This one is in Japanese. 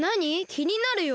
きになるよ。